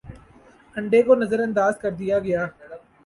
انڈے کو نظر انداز کر دیا گیا